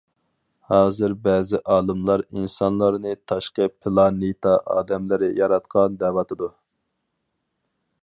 ھازىر بەزى ئالىملار ئىنسانلارنى تاشقى پىلانېتا ئادەملىرى ياراتقان دەۋاتىدۇ.